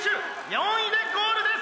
４位でゴールです」。